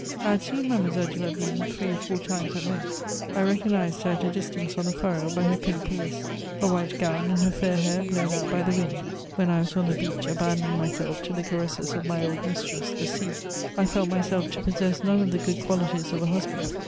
I had seen Mademoiselle de Lavigne three or four times at most; I recognised her at a distance on the "Furrow" by her pink pelisse, her white gown and her fair hair blown out by the wind, when I was on the beach abandoning myself to the caresses of my old mistress, the sea. I felt myself to possess none of the good qualities of a husband.